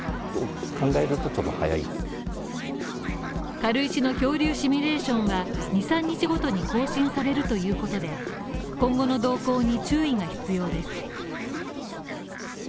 軽石の漂流シミュレーションは二、三日ごとに更新されるということで、今後の動向に注意が必要です。